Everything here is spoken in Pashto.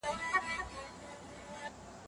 په کور کې غیبت نه اورېدل کېږي.